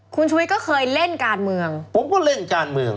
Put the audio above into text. คุณชุวิตก็เคยเล่นการเมืองคุณชุวิตเปลี่ยนไปไหมผมก็เล่นการเมือง